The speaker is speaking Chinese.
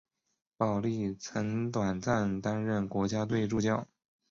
保历曾短暂担任国家队助教。